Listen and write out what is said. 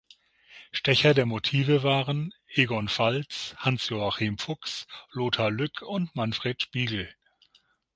Stecher der Motive waren: Egon Falz, Hans-Joachim Fuchs, Lothar Lück und Manfred Spiegel.